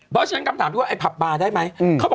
เพราะฉะนั้นกำถามหนึ่งไอ้ผับปลาได้ไหม